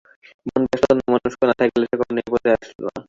মন ব্যস্ত ও অন্যমনস্ক না থাকিলে সে কখনই এপথে আসিত না।